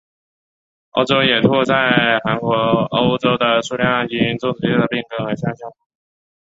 欧洲野兔在欧洲的数量因种植业的变更而下降。